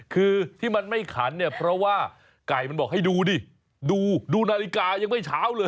คือที่มันไม่ขันเนี่ยเพราะว่าไก่มันบอกให้ดูดิดูนาฬิกายังไม่เช้าเลย